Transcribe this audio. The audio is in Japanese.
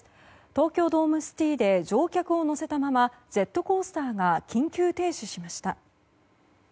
東京ドームシティで乗客を乗せたままジェットコースターが緊急停止しました。